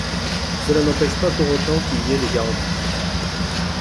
Cela n’empêche pas pour autant qu’il y ait des garanties.